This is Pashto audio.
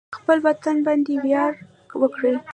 خپل وطن باندې ویاړ وکړئ